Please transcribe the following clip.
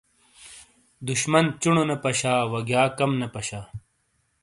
دُشمن چونو نے پاشا وَگیا کم نے پاشا.